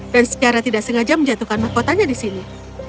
dan secara tidak sengaja menjatuhkan mahkotanya di sini